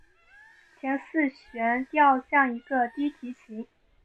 前四弦调像一个低提琴。